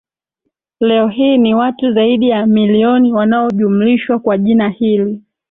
Leo hii ni watu zaidi ya milioni wanaojumlishwa kwa jina hili